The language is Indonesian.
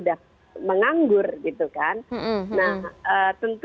jadi nggak masuk di kategori jadi nggak masuk di kategori nah tentu